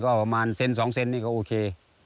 ก็ประมาณเซน๒เซนนี่ก็โอเค